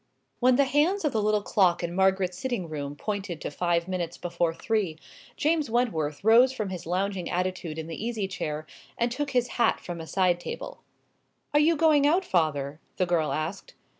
When the hands of the little clock in Margaret's sitting room pointed to five minutes before three, James Wentworth rose from his lounging attitude in the easy chair, and took his hat from a side table. "Are you going out, father?" the girl asked.